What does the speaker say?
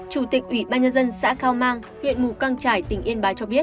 chủ tịch ủy ban nhân dân xã cao mang huyện mù căng trải tỉnh yên bá cho biết